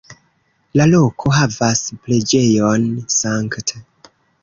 La loko havas preĝejon „St.